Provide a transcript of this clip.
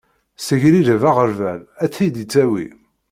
Ssegrireb aɣerbal ad t-id-ittawi.